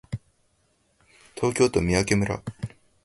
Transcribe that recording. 東京都三宅村